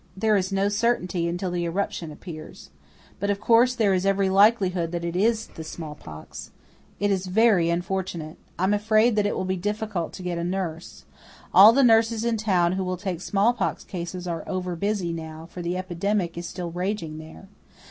"There is no certainty until the eruption appears. But, of course, there is every likelihood that it is the smallpox. It is very unfortunate. I am afraid that it will be difficult to get a nurse. All the nurses in town who will take smallpox cases are overbusy now, for the epidemic is still raging there.